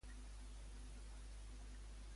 Què agraeix en Ramon a Déu?